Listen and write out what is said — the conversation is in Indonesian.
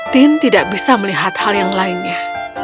tin tidak bisa melihat hal yang lainnya